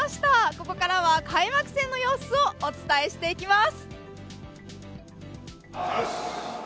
ここからは開幕戦の様子をお伝えしていきます。